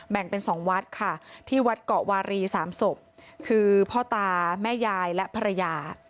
แบ่งเป็น๒วัดค่ะที่วัดเกาะวารีสามศพคือพ่อตาแม่ยายและภรรยา